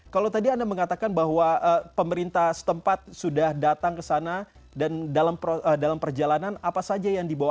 kalau tadi anda mengatakan bahwa pemerintah setempat sudah datang ke sana dan dalam perjalanan apa saja yang dibawa